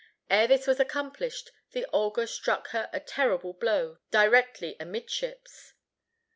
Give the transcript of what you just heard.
Ere this was accomplished the Olga struck her a terrible blow directly amidships.